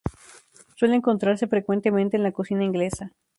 Suele encontrarse frecuentemente en la cocina inglesa.